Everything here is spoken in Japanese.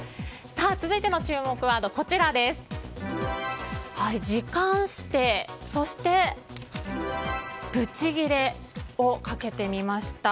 続いての注目ワードは時間指定、そしてブチギレをかけてみました。